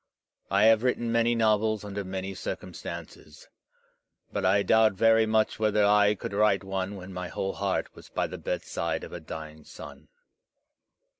I have written many novels imder many circumstances; but I doubt very much whether I could write one when my whole heart was by the bedside of a dying son.